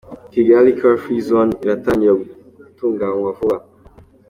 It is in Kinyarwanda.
Kigali ‘Car Free Zone’ iratangira gutunganywa vuba.